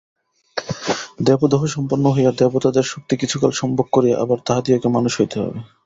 দেবদেহসম্পন্ন হইয়া দেবতাদের শক্তি কিছুকাল সম্ভোগ করিয়া আবার তাহাদিগকে মানুষ হইতে হইবে।